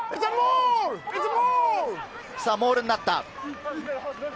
モールになった。